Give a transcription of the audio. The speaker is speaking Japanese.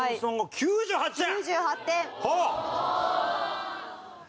９８点。